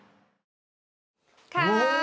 かわいい！